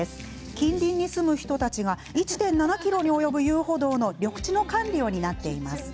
近隣に住む人たちが１．７ｋｍに及ぶ遊歩道の緑地の管理を担っています。